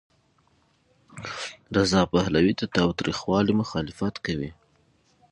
رضا پهلوي د تاوتریخوالي مخالفت کوي.